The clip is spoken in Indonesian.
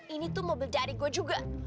ini tuh mobil dari gue juga